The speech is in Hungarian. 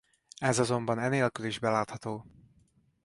Ez azonban enélkül is belátható.